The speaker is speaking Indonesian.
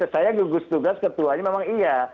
saya gugus tugas ketuanya memang iya